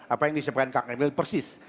apa yang disebutkan kak emil persis